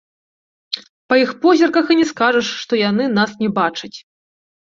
Па іх позірках і не скажаш, што яны нас не бачаць.